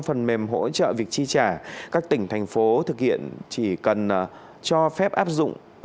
phần mềm hỗ trợ việc chi trả các tỉnh thành phố thực hiện chỉ cần cho phép áp dụng